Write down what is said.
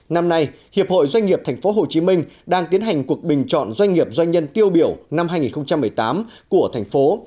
năm nay hiệp hội doanh nghiệp tp hcm đang tiến hành cuộc bình chọn doanh nghiệp doanh nhân tiêu biểu năm hai nghìn một mươi tám của thành phố